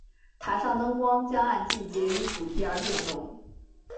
塔上灯光将按季节与主题而变动。